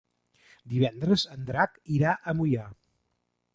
Divendres en Drac irà a Moià.